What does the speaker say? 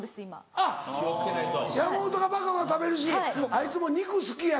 あっ山本がばかばか食べるしあいつも肉好きやし。